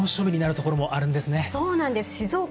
猛暑日になるところもあるんですね。